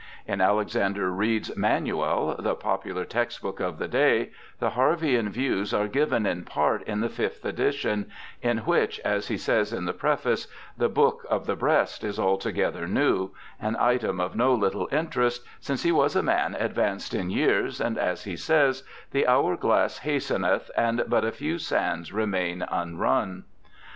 In Alexander Reid's Manual^ the popular textbook of the day, the Harveian views are given in part in the fifth edition, in which, as he says in the preface, 'the book of the breast ' is altogether new — an item of no little interest, since he was a man advanced in years, and, as he says, ' the hourglass hasteneth, and but a few sands remain unrun.'